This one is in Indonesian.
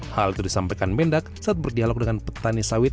hal itu disampaikan mendak saat berdialog dengan petani sawit